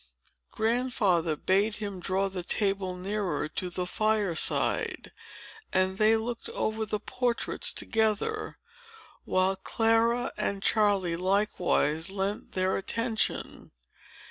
Grandfather bade him draw the table nearer to the fire side; and they looked over the portraits together, while Clara and Charley likewise lent their attention.